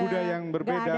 budaya yang berbeda